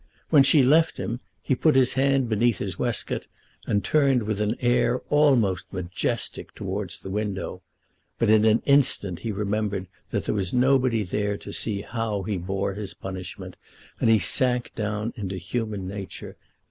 When she left him, he put his hand beneath his waistcoat, and turned with an air almost majestic towards the window. But in an instant he remembered that there was nobody there to see how he bore his punishment, and he sank down into human nature.